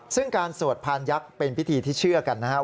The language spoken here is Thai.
ซึ่งการสวดพานยักษ์เป็นพิธีที่เชื่อกันนะครับ